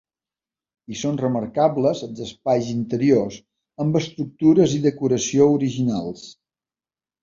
Hi són remarcables els espais interiors, amb estructures i decoració originals.